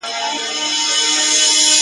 د ده ټول ښکلي ملګري یو په یو دي کوچېدلي !.